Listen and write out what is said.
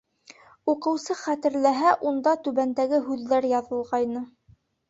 Уҡыусы хәтерләһә, унда түбәндәге һүҙҙәр яҙылғайны: